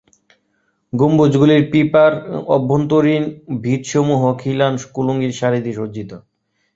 গম্বুজগুলির pepper অভ্যন্তরীণ ভিতসমূহ খিলান কুলুঙ্গির সারি দিয়ে সজ্জিত।